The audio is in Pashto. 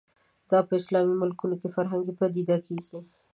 دا په اسلامي ملکونو کې فرهنګي پدیده کېږي